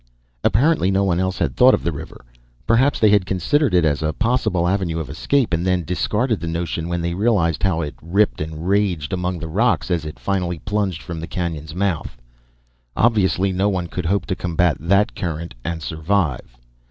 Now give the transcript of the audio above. Apparently no one else had thought of the river; perhaps they had considered it as a possible avenue of escape and then discarded the notion when they realized how it ripped and raged among the rocks as it finally plunged from the canyon's mouth. Obviously, no one could hope to combat that current and survive.